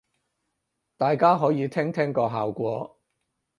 大家可以聽聽個效果